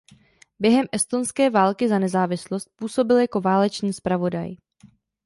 Během estonské války za nezávislost působil jako válečný zpravodaj.